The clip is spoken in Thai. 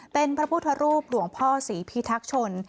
เป็นพระพุทธรูปหลวงพ่อศรีพิทักษณชน